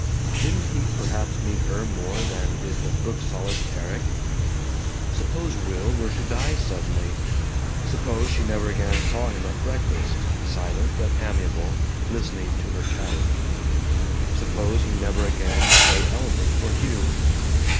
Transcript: Didn't he perhaps need her more than did the book solaced Erik? Suppose Will were to die, suddenly. Suppose she never again saw him at breakfast, silent but amiable, listening to her chatter. Suppose he never again played elephant for Hugh.